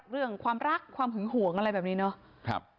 เรื่องความรักความหึงห่วงอะไรแบบนี้เนาะ